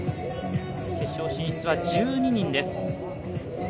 決勝進出は１２人です。